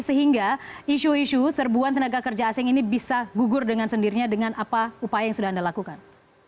sehingga isu isu serbuan tenaga kerja asing ini bisa gugur dengan sendirinya dengan apa upaya yang sudah anda lakukan